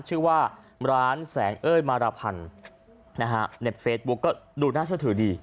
ชื่อว่าร้านแสงเอ้ยมารพันธ์นะฮะในเฟซบุ๊กก็ดูน่าเชื่อถือดี